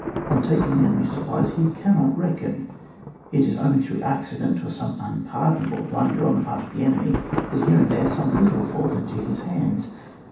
On taking the enemy's supplies he cannot reckon ; it is only through accident, or some unpardonable blunder on the part of the enemy, that here and there some little falls into his hands.